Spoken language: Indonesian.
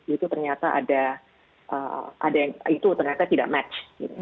itu ternyata tidak match